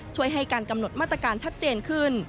ช่วยให้การกำหนดมาตรการชัดเจนขึ้น